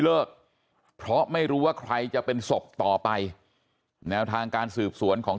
เลิกเพราะไม่รู้ว่าใครจะเป็นศพต่อไปแนวทางการสืบสวนของ